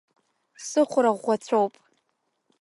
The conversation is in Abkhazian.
Сыхәра ӷәӷәацәоуп.